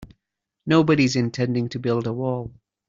Nobody's intending to build a wall.